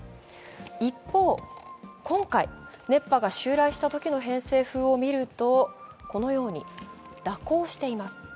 一方、今回、熱波が襲来したときの偏西風を見ると、このように蛇行しています。